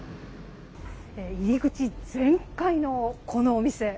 入り口全開のこのお店。